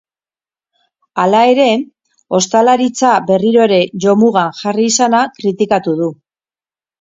Hala ere, ostalaritza berriro ere jomugan jarri izana kritikatu du.